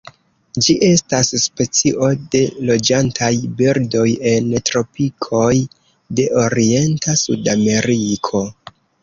Ĝi estas specio de loĝantaj birdoj en tropikoj de orienta Sudameriko.